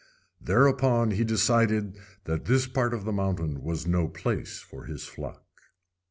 Thereupon he decided that this part of the mountain was no place for his flock.